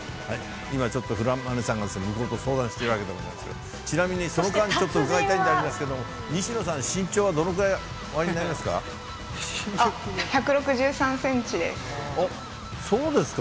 今、ちょっとフロアマネさんが相談しているわけでございますが、ちなみに、その間に１つ、伺いたいんでありますが、西野さん、身長はどのくらいおありになりますか。